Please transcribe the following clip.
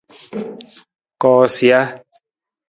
Koosija.